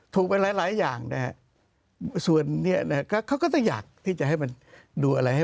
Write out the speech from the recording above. ถูกไปหลายอย่างนะฮะ